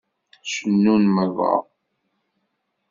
Cennun meṛṛa.